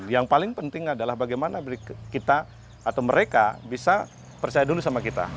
yang paling penting adalah bagaimana kita atau mereka bisa percaya dulu sama kita